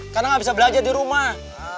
karena gak bisa belajar di rumah